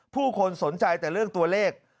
ผู้คนสนใจแต่เรื่องตัวเลข